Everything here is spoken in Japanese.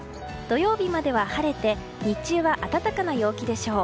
土曜日までは晴れて日中は暖かな陽気でしょう。